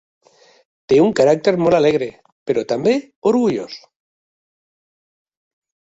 Té un caràcter molt alegre, però també orgullós.